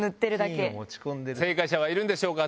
正解者はいるんでしょうか？